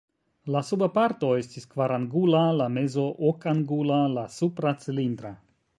La suba parto estis kvarangula, la mezo okangula, la supra cilindra.